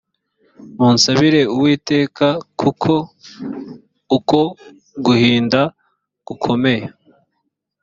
munsabire uwiteka kuko uku guhinda gukomeye